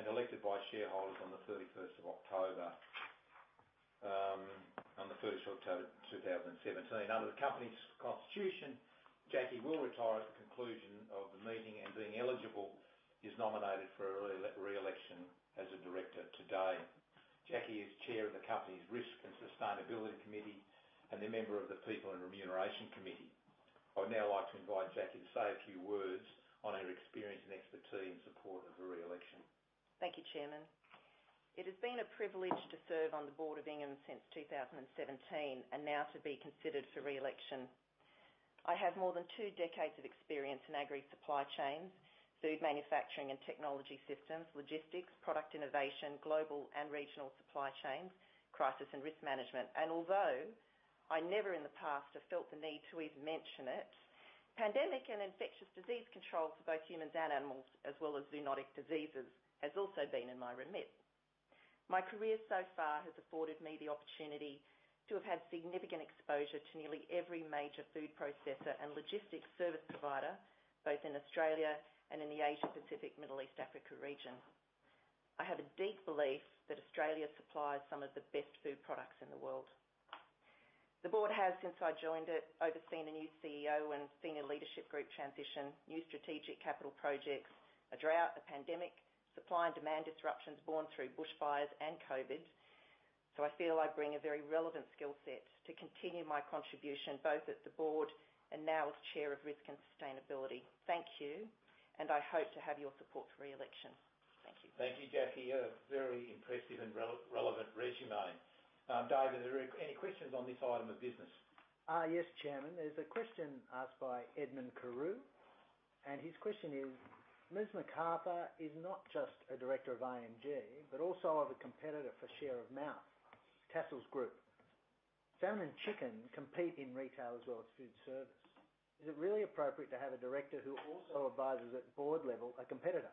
and elected by shareholders on the 31st of October 2017. Under the company's constitution, Jackie will retire at the conclusion of the meeting and being eligible, is nominated for re-election as a director today. Jackie is Chair of the company's Risk and Sustainability Committee and a member of the People and Remuneration Committee. I'd now like to invite Jackie to say a few words on her experience and expertise in support of her re-election. Thank you, Chairman. It has been a privilege to serve on the board of Inghams since 2017 and now to be considered for re-election. I have more than two decades of experience in agri supply chains, food manufacturing and technology systems, logistics, product innovation, global and regional supply chains, crisis and risk management. Although I never in the past have felt the need to even mention it, pandemic and infectious disease control for both humans and animals, as well as zoonotic diseases, has also been in my remit. My career so far has afforded me the opportunity to have had significant exposure to nearly every major food processor and logistics service provider, both in Australia and in the Asia Pacific, Middle East, Africa region. I have a deep belief that Australia supplies some of the best food products in the world. The board has, since I joined it, overseen a new CEO and senior leadership group transition, new strategic capital projects, a drought, a pandemic, supply and demand disruptions born through bushfires and COVID. I feel I bring a very relevant skill set to continue my contribution both at the board and now as chair of Risk and Sustainability. Thank you, and I hope to have your support for re-election. Thank you. Thank you, Jackie. A very impressive and relevant resume. David, are there any questions on this item of business? Yes, Chairman. There's a question asked by Edmund Carew, and his question is, "Ms. McArthur is not just a director of ING, but also of a competitor for share of mouth, Tassal Group. Salmon and chicken compete in retail as well as food service. Is it really appropriate to have a director who also advises at board level a competitor?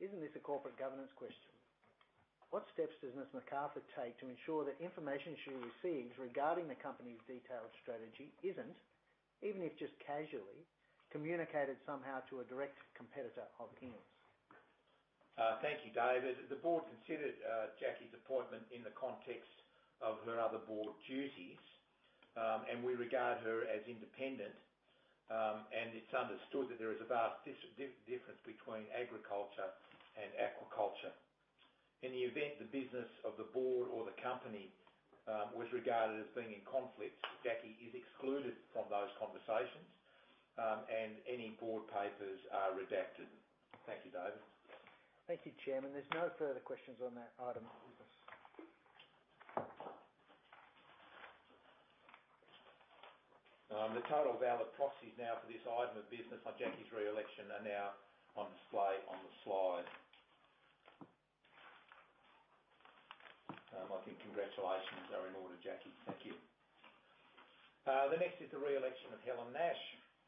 Isn't this a corporate governance question? What steps does Ms. McArthur take to ensure that information she receives regarding the company's detailed strategy isn't, even if just casually, communicated somehow to a direct competitor of Inghams?" Thank you, David. The board considered Jackie's appointment in the context of her other board duties, and we regard her as independent, and it's understood that there is a vast difference between agriculture and aquaculture. In the event the business of the board or the company was regarded as being in conflict, Jackie is excluded from those conversations, and any board papers are redacted. Thank you, David. Thank you, Chairman. There's no further questions on that item of business. The total valid proxies now for this item of business on Jackie's re-election are now on display on the slide. I think congratulations are in order, Jackie. Thank you. The next is the re-election of Helen Nash.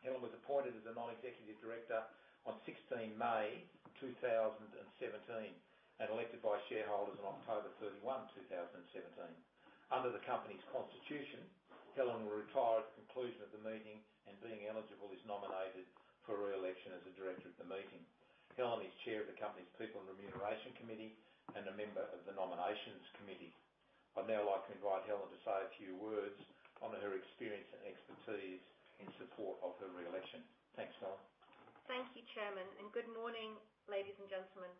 Helen was appointed as a non-executive director on 16 May 2017 and elected by shareholders on October 31, 2017. Under the company's constitution, Helen will retire at the conclusion of the meeting and being eligible, is nominated for re-election as a director at the meeting. Helen is chair of the company's People and Remuneration Committee and a member of the Nominations Committee. I'd now like to invite Helen to say a few words on her experience and expertise in support of her re-election. Thanks, Helen. Thank you, Chairman, and good morning, ladies and gentlemen.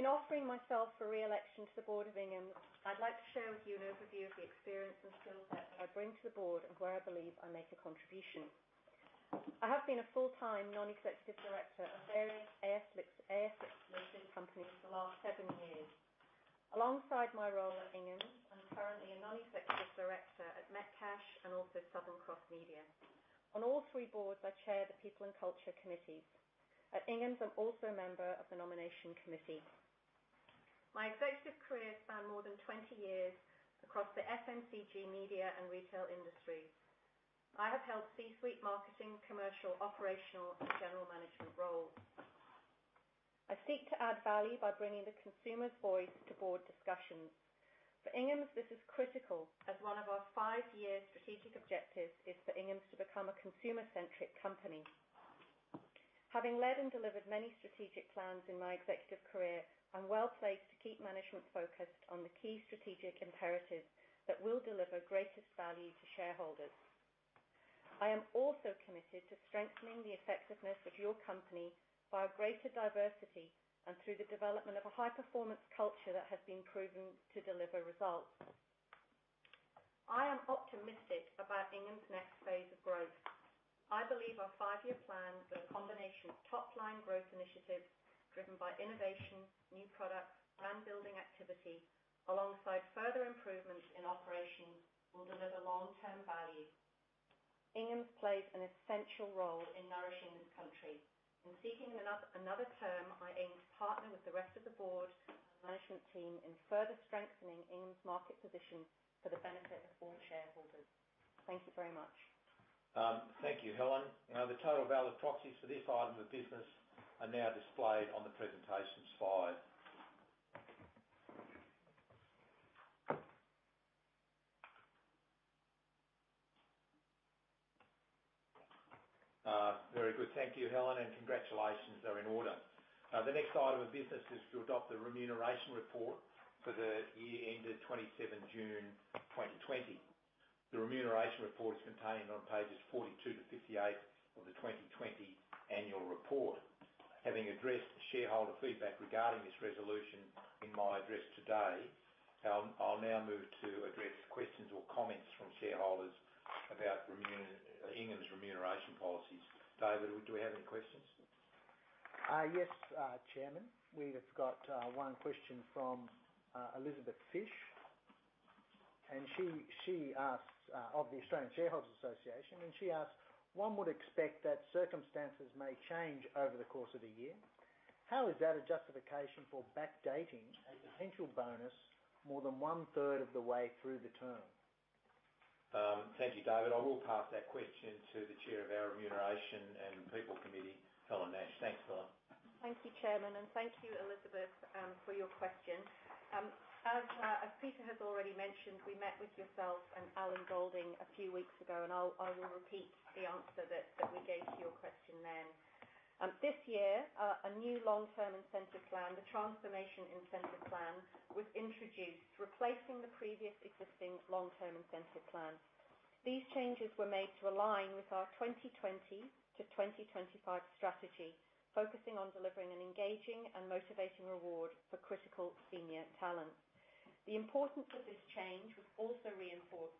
In offering myself for re-election to the board of Inghams, I'd like to share with you an overview of the experience and skill set I bring to the board and where I believe I make a contribution. I have been a full-time non-executive director of various ASX-listed companies for the last seven years. Alongside my role at Inghams, I'm currently a non-executive director at Metcash and also Southern Cross Media. On all three boards, I chair the People and Culture Committee. At Inghams, I'm also a member of the Nomination Committee. My executive career spanned more than 20 years across the FMCG media and retail industry. I have held C-suite marketing, commercial, operational, and general management roles. I seek to add value by bringing the consumer's voice to board discussions. For Inghams, this is critical as one of our five-year strategic objectives is for Inghams to become a consumer-centric company. Having led and delivered many strategic plans in my executive career, I'm well-placed to keep management focused on the key strategic imperatives that will deliver greatest value to shareholders. I am also committed to strengthening the effectiveness of your company via greater diversity and through the development of a high-performance culture that has been proven to deliver results. I am optimistic about Inghams' next phase of growth. I believe our five-year plan with a combination of top-line growth initiatives driven by innovation, new products, brand-building activity, alongside further improvements in operations, will deliver long-term value. Inghams plays an essential role in nourishing this country. In seeking another term, I aim to partner with the rest of the board and management team in further strengthening Inghams' market position for the benefit of all shareholders. Thank you very much. Thank you, Helen. The total valid proxies for this item of business are now displayed on the presentation slide. Very good. Thank you, Helen, and congratulations are in order. The next item of business is to adopt the remuneration report for the year ended 27 June 2020. The remuneration report is contained on pages 42 to 58 of the 2020 annual report. Having addressed shareholder feedback regarding this resolution in my address today, I'll now move to address questions or comments from shareholders about Inghams' remuneration policies. David, do we have any questions? Yes, Chairman. We've got one question from Elizabeth Fish of the Australian Shareholders' Association, and she asks, "One would expect that circumstances may change over the course of the year. How is that a justification for backdating a potential bonus more than one-third of the way through the term?" Thank you, David. I will pass that question to the chair of our Remuneration and People Committee, Helen Nash. Thanks, Helen. Thank you, Chairman, and thank you, Elizabeth, for your question. As Peter has already mentioned, we met with yourself and Allan Goldin a few weeks ago, and I will repeat the answer that we gave to your question then. This year, a new long-term incentive plan, the Transformational Incentive Plan, was introduced, replacing the previous existing long-term incentive plan. These changes were made to align with our 2020-2025 strategy, focusing on delivering an engaging and motivating reward for critical senior talent. The importance of this change was also reinforced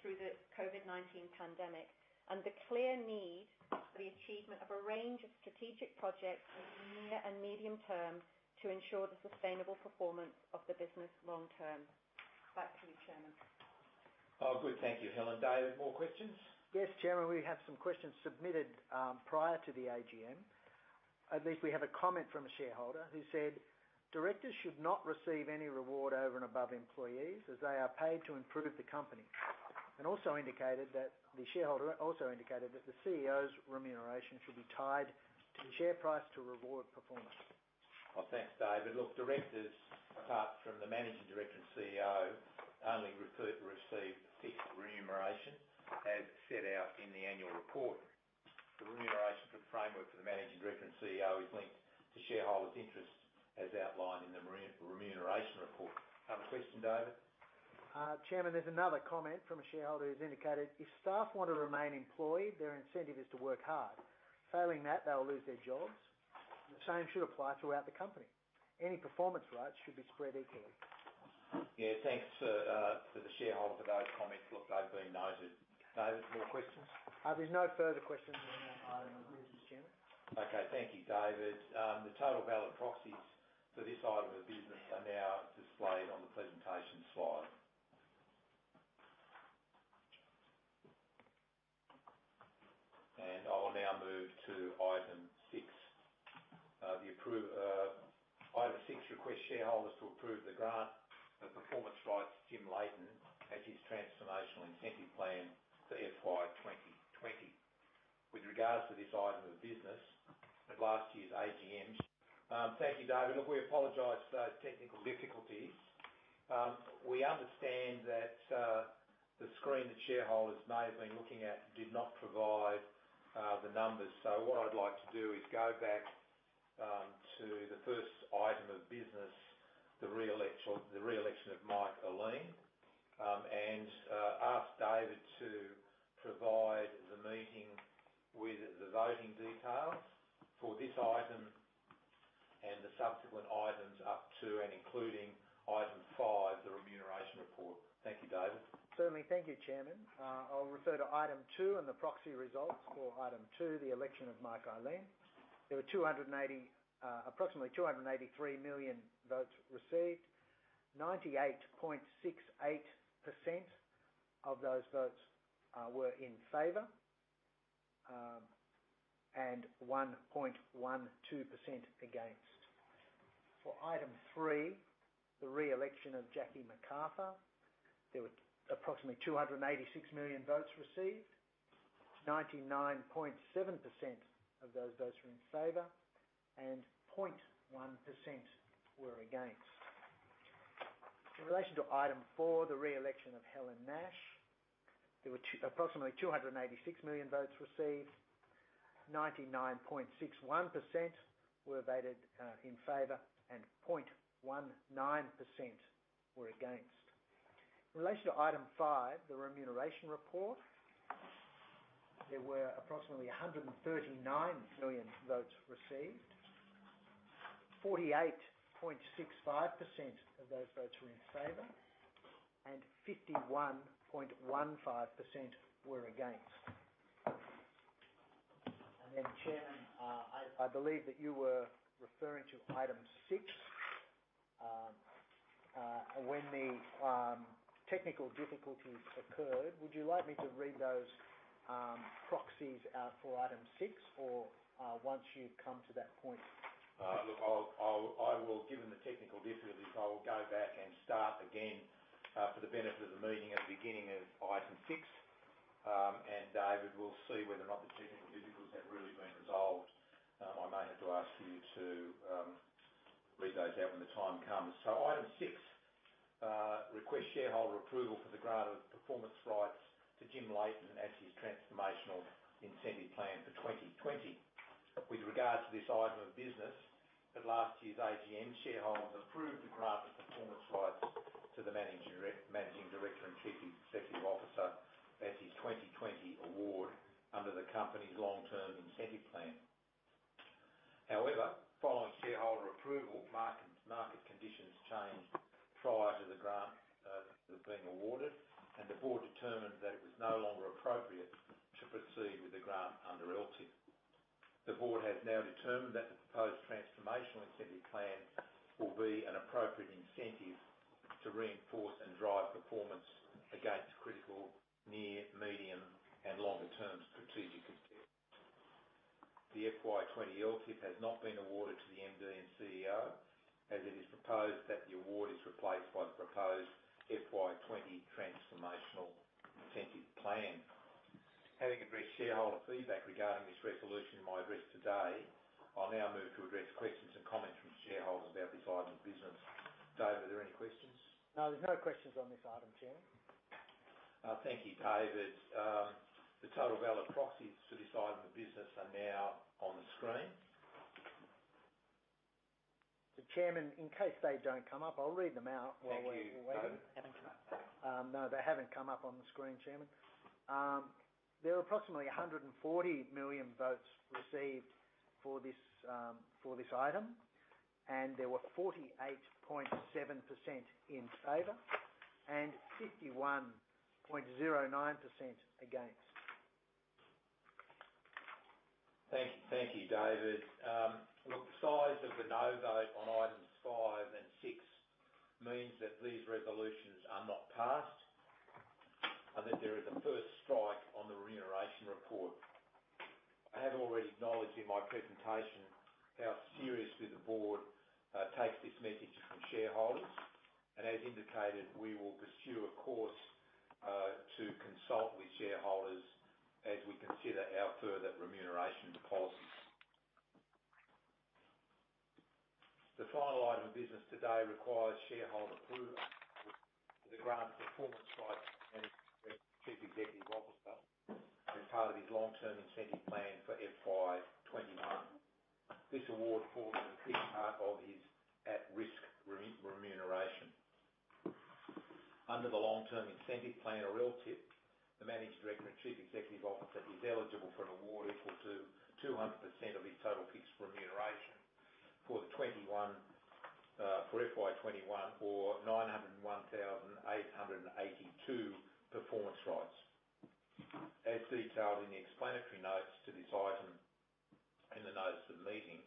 through the COVID-19 pandemic and the clear need for the achievement of a range of strategic projects in the near and medium term to ensure the sustainable performance of the business long term. Back to you, Chairman. Good. Thank you, Helen. David, more questions? Yes, Chairman. We have some questions submitted prior to the AGM. At least we have a comment from a shareholder who said, "Directors should not receive any reward over and above employees as they are paid to improve the company." Also indicated that the CEO's remuneration should be tied to the share price to reward performance. Thanks, David. Directors, apart from the Managing Director and Chief Executive Officer, only receive fixed remuneration as set out in the annual report. The remuneration framework for the Managing Director and Chief Executive Officer is linked to shareholders' interests as outlined in the Remuneration Report. Other question, David? Chairman, there's another comment from a shareholder who's indicated, "If staff want to remain employed, their incentive is to work hard. Failing that, they will lose their jobs, and the same should apply throughout the company. Any performance rights should be spread equally. Thanks to the shareholder for those comments. Look, they've been noted. David, more questions? There's no further questions on that item of business, Chairman. Thank you, David. The total valid proxies for this item of business are now displayed on the presentation slide. I will now move to item six. Item six requests shareholders to approve the grant of performance rights to Jim Leighton as his Transformational Incentive Plan for FY 2020. Thank you, David. Look, we apologize for those technical difficulties. We understand. Screen that shareholders may have been looking at did not provide the numbers. What I'd like to do is go back to the first item of business, the re-election of Michael Ihlein, and ask David to provide the meeting with the voting details for this item and the subsequent items up to and including item five, the remuneration report. Thank you, David. Certainly. Thank you, Chairman. I'll refer to item two and the proxy results for item two, the election of Mike Ihlein. There were approximately 283 million votes received, 98.68% of those votes were in favor, and 1.12% against. For item three, the re-election of Jackie McArthur, there were approximately 286 million votes received, 99.7% of those votes were in favor, and 0.1% were against. In relation to item four, the re-election of Helen Nash, there were approximately 286 million votes received, 99.61% were voted in favor, and 0.19% were against. In relation to item five, the remuneration report, there were approximately 139 million votes received, 48.65% of those votes were in favor, and 51.15% were against. Then, Chairman, I believe that you were referring to item six, when the technical difficulties occurred. Would you like me to read those proxies out for item six, or once you come to that point? Given the technical difficulties, I will go back and start again for the benefit of the meeting at the beginning of item six. David, we'll see whether or not the technical difficulties have really been resolved. I may have to ask you to read those out when the time comes. Item six, request shareholder approval for the grant of performance rights to Jim Leighton as his Transformational Incentive Plan for 2020. With regards to this item of business, at last year's AGM, shareholders approved the grant of performance rights to the managing director and chief executive officer as his 2020 award under the company's long-term incentive plan. However, following shareholder approval, market conditions changed prior to the grant being awarded, and the board determined that it was no longer appropriate to proceed with the grant under LTIP. The Board has now determined that the proposed Transformational Incentive Plan will be an appropriate incentive to reinforce and drive performance against critical near, medium, and longer-term strategic objectives. The FY 2020 LTIP has not been awarded to the MD and CEO, as it is proposed that the award is replaced by the proposed FY 2020 Transformational Incentive Plan. Having addressed shareholder feedback regarding this resolution in my address today, I'll now move to address questions and comments from shareholders about this item of business. David, are there any questions? No, there's no questions on this item, Chairman. Thank you, David. The total valid proxies for this item of business are now on the screen. Chairman, in case they don't come up, I'll read them out while we're waiting. Thank you, David. No, they haven't come up on the screen, Chairman. There were approximately 140 million votes received for this item. There were 48.7% in favor and 51.09% against. Thank you, David. Look, the size of the no vote on items five and six means that these resolutions are not passed and that there is a first strike on the remuneration report. I have already acknowledged in my presentation how seriously the Board takes this message from shareholders, and as indicated, we will pursue a course to consult with shareholders as we consider our further remuneration policies. The final item of business today requires shareholder approval for the grant of performance rights to the Managing Director and Chief Executive Officer as part of his long-term incentive plan for FY 2021. This award forms a key part of his at-risk remuneration. Under the long-term incentive plan, or LTIP, the Managing Director and Chief Executive Officer is eligible for an award equal to 200% of his total fixed remuneration for FY 2021, or 901,882 performance rights. As detailed in the explanatory notes to this item in the notes of the meeting,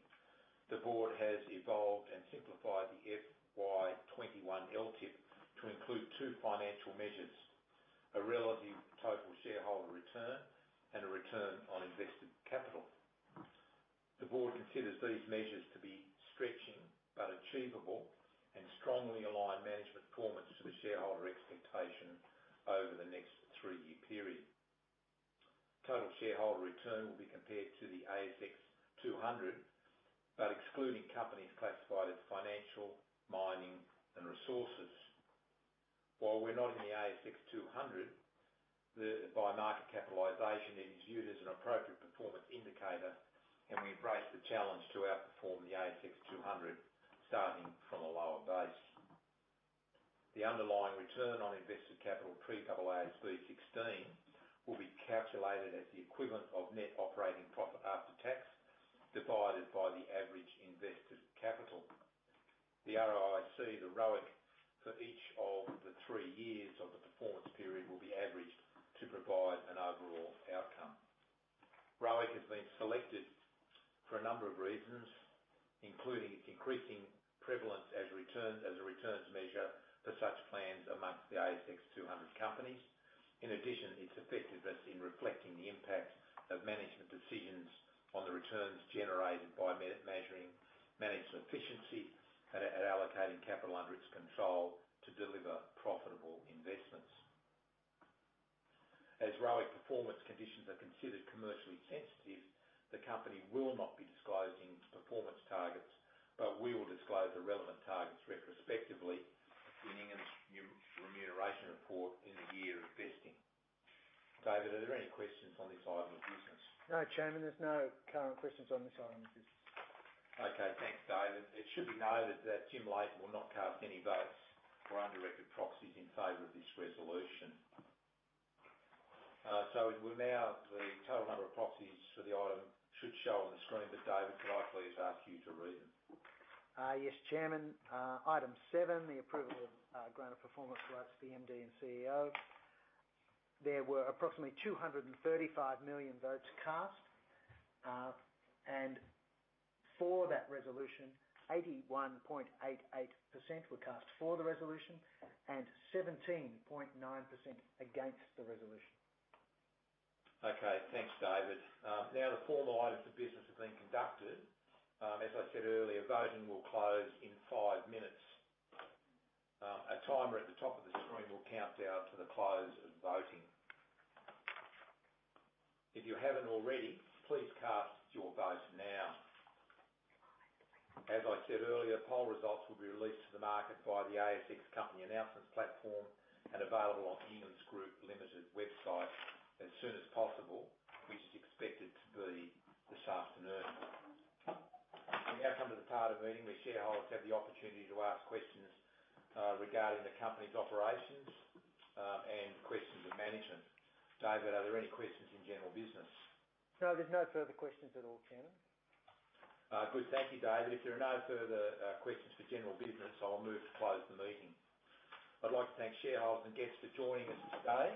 the board has evolved and simplified the FY 2021 LTIP to include two financial measures, a relative total shareholder return, and a return on invested capital. The board considers these measures to be stretching but achievable and strongly align management performance to the shareholder expectation over the next three-year period. Total shareholder return will be compared to the ASX 200, but excluding companies classified as financial, mining, and resources. While we're not in the ASX 200, by market capitalization, it is viewed as an appropriate performance indicator, and we embrace the challenge to outperform the ASX 200 starting from a lower base. The underlying return on invested capital pre-AASB 16 will be calculated as the equivalent of net operating profit after tax divided by the average invested capital. The ROIC, for each of the three years of the performance period will be averaged to provide an overall outcome. ROIC has been selected for a number of reasons, including its increasing prevalence as a returns measure for such plans amongst the S&P/ASX 200 companies. In addition, its effectiveness in reflecting the impact of management decisions on the returns generated by measuring management efficiency at allocating capital under its control to deliver profitable investments. As ROIC performance conditions are considered commercially sensitive, the company will not be disclosing its performance targets, but we will disclose the relevant targets retrospectively in Inghams' remuneration report in the year of vesting. David, are there any questions on this item of business? No, Chairman, there's no current questions on this item of business. Thanks, David. It should be noted that Jim Leighton will not cast any votes for undirected proxies in favor of this resolution. Now, the total number of proxies for the item should show on the screen. David, could I please ask you to read them? Yes, Chairman. Item seven, the approval of grant of performance rights to the MD and CEO. There were approximately 235 million votes cast. For that resolution, 81.88% were cast for the resolution and 17.9% against the resolution. Okay, thanks, David. Now the formal items of business have been conducted. As I said earlier, voting will close in five minutes. A timer at the top of the screen will count down to the close of voting. If you haven't already, please cast your vote now. As I said earlier, poll results will be released to the market by the ASX company announcements platform and available on Inghams Group Limited website as soon as possible, which is expected to be this afternoon. We now come to the part of the meeting where shareholders have the opportunity to ask questions regarding the company's operations and questions of management. David, are there any questions in general business? No, there's no further questions at all, Chairman. Good. Thank you, David. If there are no further questions for general business, I will move to close the meeting. I'd like to thank shareholders and guests for joining us today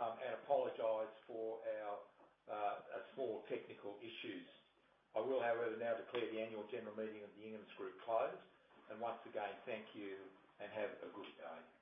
and apologize for our small technical issues. I will, however, now declare the annual general meeting of the Inghams Group closed. Once again, thank you and have a good day.